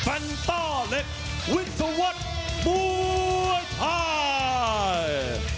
ฟันตาเล็กวิทวัฒน์มวยไทย